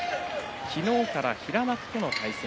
昨日から平幕との対戦。